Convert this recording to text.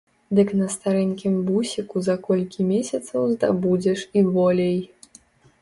Дык на старэнькім бусіку за колькі месяцаў здабудзеш і болей.